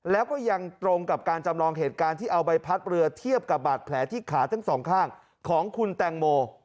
แล้วก็ยังตรงกับการจำลองเหตุการณ์ที่เอาใบพัดเรือเทียบกับบาดแผลที่ขาทั้งสองข้างของคุณแตงโม